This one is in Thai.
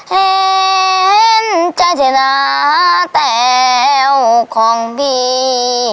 เห็นใจเจ้าแต่วของพี่